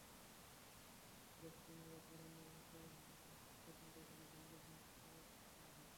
দেবকুমার ও সারণ্যাের মতো হত্যাকাণ্ডগুলো যেন কখনও পুনরাবৃত্তি না হয়।